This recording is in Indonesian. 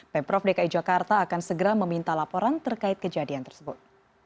pemprov dki jakarta akan segera meminta laporan terkait kejadian tersebut